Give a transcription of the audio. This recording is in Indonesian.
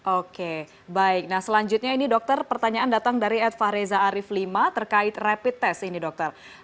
oke baik nah selanjutnya ini dokter pertanyaan datang dari adva reza arief v terkait rapid test ini dokter